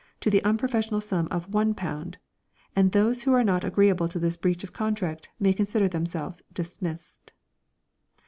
to the unprofessional sum of £1, and those who are not agreeable to this breach of contract may consider themselves dismissed.